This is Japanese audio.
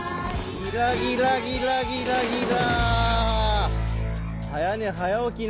ギラギラギラギラギラギラ。